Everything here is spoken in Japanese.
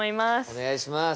お願いします。